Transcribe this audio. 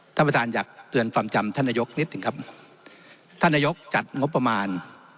ท่านประธานอยากเตือนความจำท่านนายกนิดหนึ่งครับท่านนายกจัดงบประมาณ